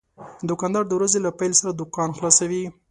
دوکاندار د ورځې له پېل سره دوکان خلاصوي.